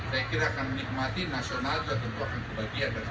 jadi ntb saya kira akan menikmati nasional juga tentu akan kebahagiaan